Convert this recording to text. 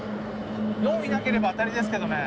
４いなければ当たりですけどね。